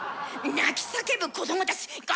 泣き叫ぶ子どもたち。